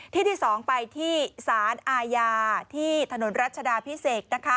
ที่ที่๒ไปที่สารอาญาที่ถนนรัชดาพิเศษ